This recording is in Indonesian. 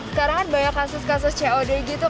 sekarang kan banyak kasus kasus cod gitu